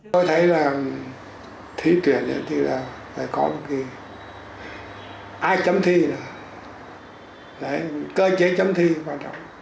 tôi thấy là thi tuyển thì là phải có một cái ai chấm thi là cơ chế chấm thi quan trọng